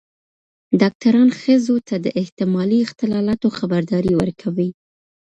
ډاکتران ښځو ته د احتمالي اختلالاتو خبرداری ورکوي.